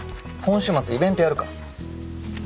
今週末イベントやるから。